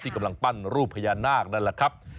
กำลังปั้นรูปพญานาคนั่นแหละครับ